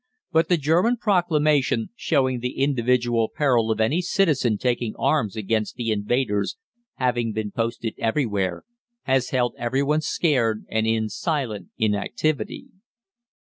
But the German proclamation, showing the individual peril of any citizen taking arms against the invaders, having been posted everywhere, has held every one scared and in silent inactivity.